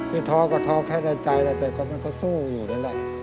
นี่ท้อก็ท้อแค่ในใจแล้วแต่ก็มันก็สู้อยู่นั่นแหละ